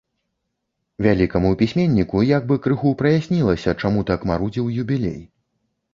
Вялікаму пісьменніку як бы крыху праяснілася, чаму так марудзіў юбілей.